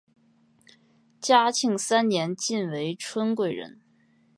嘉庆三年晋为春贵人。